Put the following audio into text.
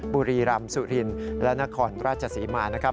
บุรีรำสุรินและนครราชศรีมานะครับ